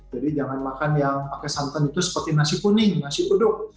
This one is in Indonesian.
jadi jangan makan yang pakai santan itu seperti nasi kuning nasi uduk